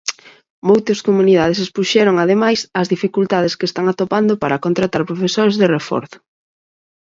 Moitas comunidades expuxeron ademais, as dificultades que están atopando para contratar profesores de reforzo.